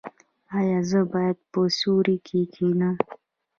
ایا زه باید په سیوري کې کینم؟